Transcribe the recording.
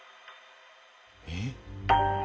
えっ？